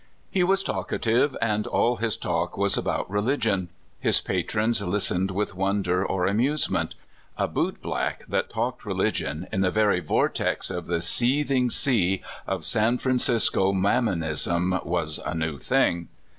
He was talka tive, and all his talk was about religion. His patrons listened with wonder or amusement. A bootblack that talked religion in the very vortex of the seething sea of San Francisco mammonism was a new thing.